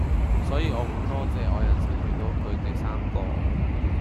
所以我好多謝我人生遇到佢哋三個⠀